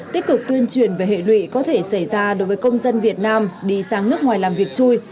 tích cực tuyên truyền về hệ lụy có thể xảy ra đối với công dân việt nam đi sang nước ngoài làm việc chui